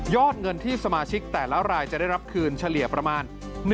เงินที่สมาชิกแต่ละรายจะได้รับคืนเฉลี่ยประมาณ